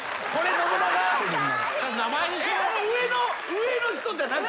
上の人じゃなくて？